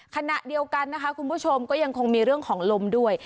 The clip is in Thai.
ขณะเดียวกันนะคะคุณผู้ชมก็ยังคงมีเรื่องของลมด้วย